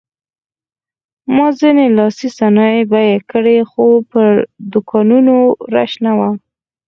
ما ځینې لاسي صنایع بیه کړې خو پر دوکانونو رش نه و.